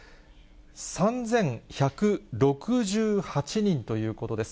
３１６８人ということです。